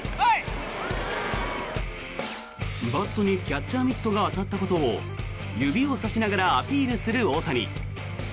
バットにキャッチャーミットが当たったことを指をさしながらアピールする大谷。